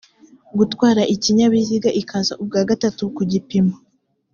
gutwara ikinyabiziga. ikaza ubwa gatatu ku gipimo